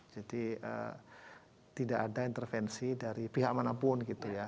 jadi tidak ada intervensi dari pihak manapun gitu ya